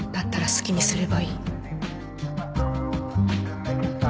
好きにすればいい